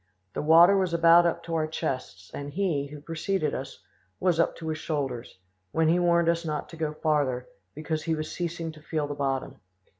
The water was about up to our chests, and he, who preceded us, was up to his shoulders, when he warned us not to go farther, because he was ceasing to feel the bottom.